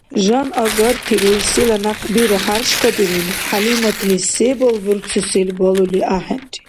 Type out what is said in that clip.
Жан агарти рурсила някъбира хӀяршкадирули, ХӀялиматли се балбурцусил балули ахӀенри.